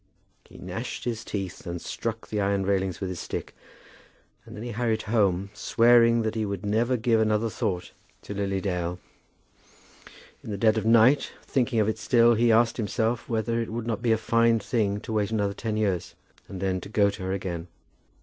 He gnashed his teeth, and struck the iron railings with his stick; and then he hurried home, swearing that he would never give another thought to Lily Dale. In the dead of the night, thinking of it still, he asked himself whether it would not be a fine thing to wait another ten years, and then go to her again.